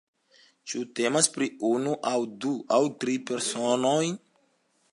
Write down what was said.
Ĉu temas pri unu aŭ du aŭ tri personoj?